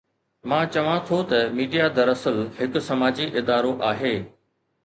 مان چوان ٿو ته ميڊيا دراصل هڪ سماجي ادارو آهي.